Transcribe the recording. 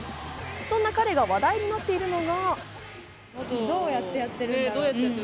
そんな彼が話題となっているのが。